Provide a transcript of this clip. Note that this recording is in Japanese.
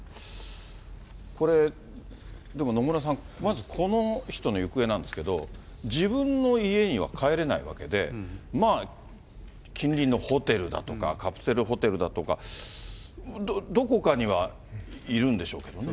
これ、でも野村さん、まずこの人の行方なんですけど、自分の家には帰れないわけで、まあ、近隣のホテルだとかカプセルホテルだとか、どこかにはいるんでしょうけどね。